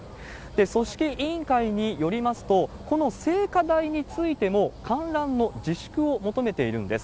組織委員会によりますと、この聖火台についても、観覧の自粛を求めているんです。